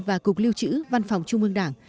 và cục liêu chữ văn phòng trung ương đảng